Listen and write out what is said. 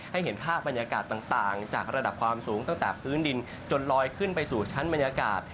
เห็นภาพบรรยากาศต่างจากระดับความสูงตั้งแต่พื้นดินจนลอยขึ้นไปสู่ชั้นบรรยากาศ